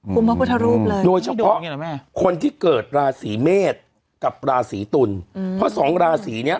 คุณพระพุทธรูปเลยโดยเฉพาะคนที่เกิดราศีเมษกับราศีตุลเพราะสองราศีเนี้ย